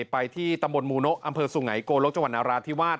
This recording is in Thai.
ไปที่ตำบลมูโนะอำเภอสุไงโกลกจังหวัดนาราธิวาส